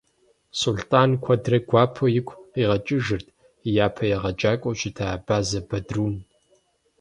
Сулътӏан куэдрэ гуапэу игу къигъэкӏыжырт и япэ егъэджакӏуэу щыта Абазэ Бадрун.